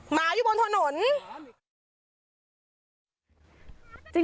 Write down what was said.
หมาอยู่บนถนน